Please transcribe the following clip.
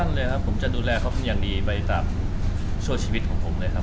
สั้นเลยครับผมจะดูแลเขาเป็นอย่างดีไปกลับโดยโชว์ชีวิตของผมเลยครับผม